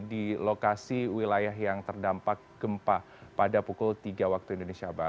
di lokasi wilayah yang terdampak gempa pada pukul tiga wib